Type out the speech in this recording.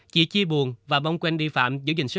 chị chi buồn và mong quen đi phạm